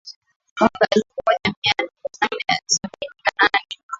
mwaka elfu moja mia nane sabini na nne